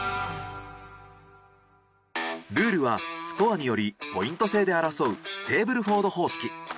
ルールはスコアによりポイント制で争うステーブルフォード方式。